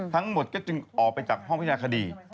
ทั้งหมดก็จึงออกไปจากห้องพิจารณาคดี